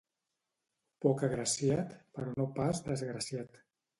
Poc agraciat, però no pas desgraciat.